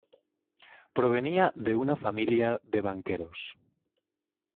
Provenía de una familia de banqueros.